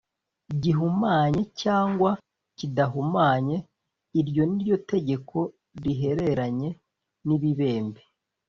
gihumanye cyangwa kidahumanye Iryo ni ryo tegeko rihereranye n ibibembe